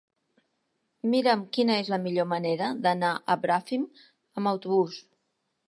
Mira'm quina és la millor manera d'anar a Bràfim amb autobús.